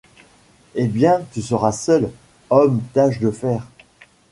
Eh bien, tu seras seùl. Homme, tâche de faire